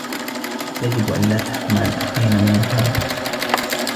يجب أن لا تحكم على الآخرين من مظهرهم.